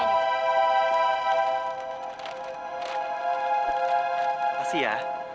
apa sih ya